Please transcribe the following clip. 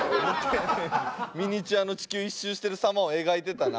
ミニチュアの地球１周してるさまを描いてたな。